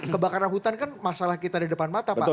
kebakaran hutan kan masalah kita di depan mata pak